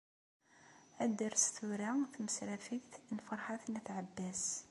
Ad d-tres tura tmesrafegt n Ferḥat n At Ɛebbas.